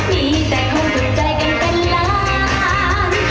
มีแต่ความสุขใจกันกันแล้ว